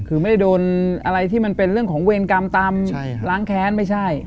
คือไม่ได้โดนอะไรที่มันเป็นเรื่องของเวรกรรมตามล้างแค้นไม่ใช่